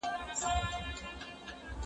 همېشه به وه روان پکښي جنگونه